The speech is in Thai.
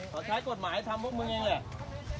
เขาใช้กฎหมายทำพวกมึงเองแหละ